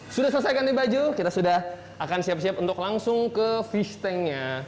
sudah selesai ganti baju kita sudah akan siap siap untuk langsung ke fish tanknya